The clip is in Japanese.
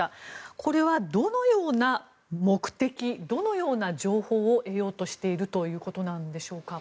これはどのような目的どのような情報を得ようとしているということなんでしょうか。